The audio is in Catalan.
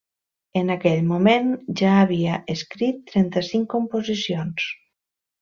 En aquell moment ja havia escrit trenta-cinc composicions.